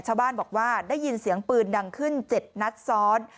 ชาวบ้านบอกว่าได้ยินเสียงปืนดังขึ้น๗นัดซ้อน